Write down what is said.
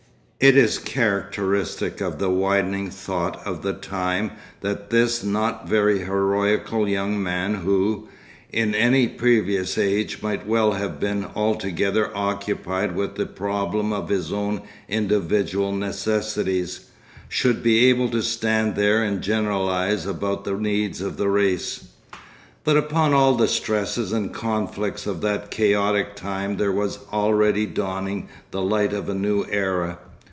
It is characteristic of the widening thought of the time that this not very heroical young man who, in any previous age, might well have been altogether occupied with the problem of his own individual necessities, should be able to stand there and generalise about the needs of the race. But upon all the stresses and conflicts of that chaotic time there was already dawning the light of a new era.